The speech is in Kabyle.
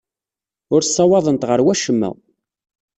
Ur ssawaḍent ɣer wacemma.